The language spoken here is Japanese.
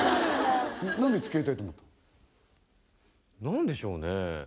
何でしょうね